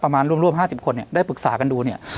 ประมาณร่วม๕๐คนเนี่ยได้ปรึกษากันดูเนี่ย